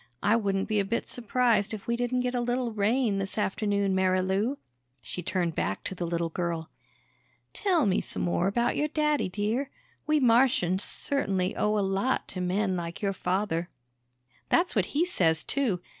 I wouldn't be a bit surprised if we didn't get a little rain this afternoon, Marilou." She turned back to the little girl. "Tell me some more about your daddy, dear. We Martians certainly owe a lot to men like your father." "That's what he says too.